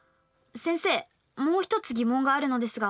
先生もう一つ疑問があるのですが。